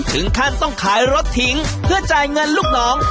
ถึงขั้นต้องขายรถทิ้งเพื่อจ่ายเงินลูกน้อง